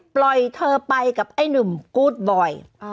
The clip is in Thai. ปล่อยเธอไปกับไอ้หนุ่มกู๊ดบ่อย